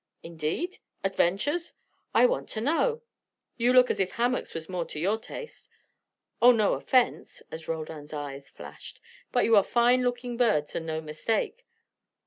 "Indeed! Adventures? I want ter know! You look as if hammocks was more to your taste. Oh, no offence," as Roldan's eyes flashed. "But you are fine looking birds, and no mistake.